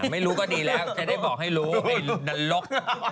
ไม่รู้ก็ดีแล้วจะได้บอกให้รู้ไอ้นรก